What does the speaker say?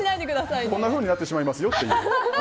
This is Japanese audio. こんなふうになってしまいますよっていう。